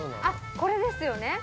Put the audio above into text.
あっこれですよね。